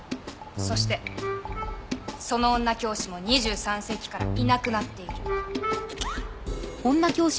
そしてその女教師も２３世紀からいなくなっている。